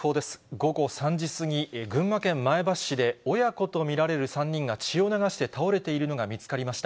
午後３時過ぎ、群馬県前橋市で、親子と見られる３人が、血を流して倒れているのが見つかりました。